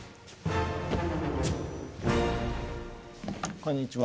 こんにちは。